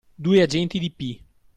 Due agenti di P.